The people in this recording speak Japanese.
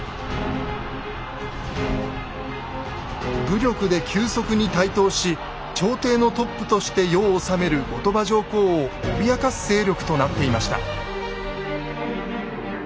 武力で急速に台頭し朝廷のトップとして世を治める後鳥羽上皇を脅かす勢力となっていました。